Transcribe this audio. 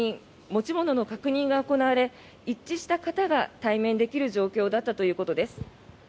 持ち物の確認が行われ一致した方が対面できる状況だったということです。